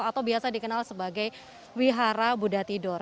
atau biasa dikenal sebagai wihara buddha tidur